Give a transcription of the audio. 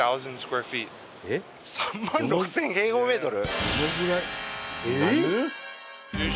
３万６，０００平方メートル！？